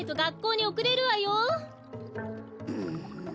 うん。